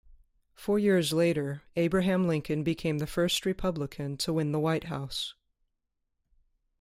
Four years later, Abraham Lincoln became the first Republican to win the White House.